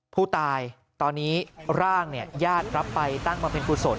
ผู้ตายตอนนี้ร่างญาติรับไปตั้งบำเพ็ญกุศล